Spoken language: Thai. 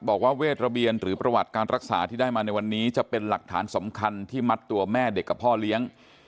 บอกว่าเวทระเบียนหรือประวัติการรักษาที่ได้มาในวันนี้จะเป็นหลักฐานสำคัญที่มัดตัวแม่เด็กกับพ่อเลี้ยง